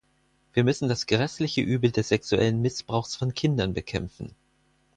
Wir müssen das gräßliche Übel des sexuellen Missbrauchs von Kindern bekämpfen.